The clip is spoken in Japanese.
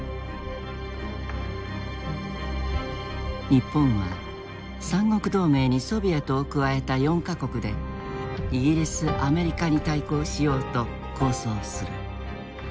日本は三国同盟にソビエトを加えた４か国でイギリスアメリカに対抗しようと構想する。